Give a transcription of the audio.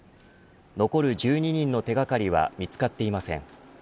残る１２人の手掛かりは見つかっていません。